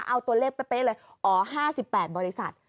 เอาตัวเลขเป๊ะเลยอ๋อ๕๘บริษัท